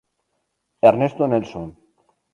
Ernesto Nelson".